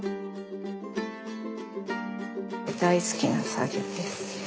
大好きな作業です。